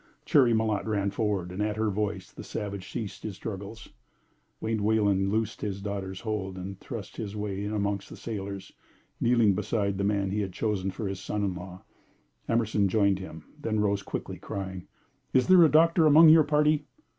Cherry Malotte ran forward, and at her voice the savage ceased his struggles. Wayne Wayland loosed his daughter's hold and thrust his way in among the sailors, kneeling beside the man he had chosen for his son in law. Emerson joined him, then rose quickly, crying: "Is there a doctor among your party?"